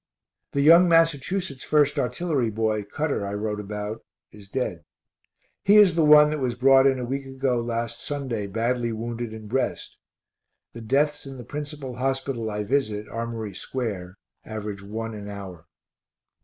The young Massachusetts 1st artillery boy, Cutter, I wrote about is dead. He is the one that was brought in a week ago last Sunday badly wounded in breast. The deaths in the principal hospital I visit, Armory square, average one an hour.